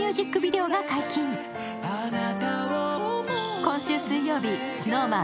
今週水曜日、ＳｎｏｗＭａｎ